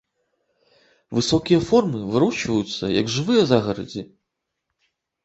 Высокія формы вырошчваюцца як жывыя загарадзі.